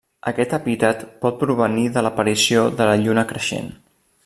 Aquest epítet pot provenir de l'aparició de la lluna creixent.